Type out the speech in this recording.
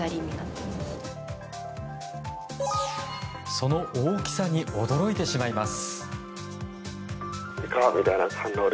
その大きさに驚いてしまいます。